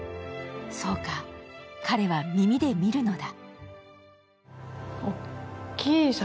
そうか、彼は耳で見るのだ。